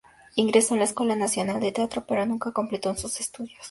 Ingresó en la Escuela Nacional de Teatro pero nunca completó sus estudios.